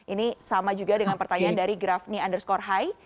ini sama juga dengan pertanyaan dari grafni underscore hai